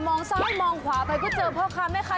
มองซ้ายมองขวาไปก็เจอผ้าค้ำนะคะ